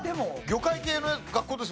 魚介系の学校で。